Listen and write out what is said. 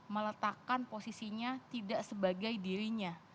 meletakkan posisinya tidak sebagai dirinya